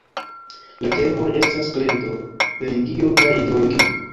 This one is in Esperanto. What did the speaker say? La temoj estas kredo, religio kaj ideologio.